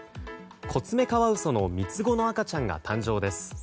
コツメカワウソの三つ子の赤ちゃんが誕生です。